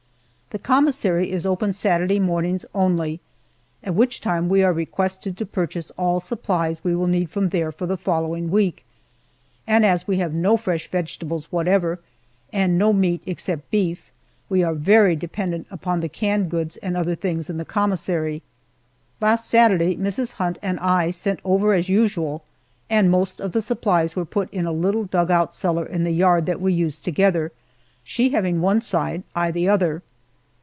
The commissary is open Saturday mornings only, at which time we are requested to purchase all supplies we will need from there for the following week, and as we have no fresh vegetables whatever, and no meat except beef, we are very dependent upon the canned goods and other things in the commissary. Last Saturday Mrs. Hunt and I sent over as usual, and most of the supplies were put in a little dug out cellar in the yard that we use together she having one side, I the other.